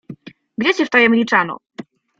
"Gdzie cię wtajemniczano?"